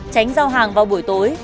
tránh giao hàng vào buổi tối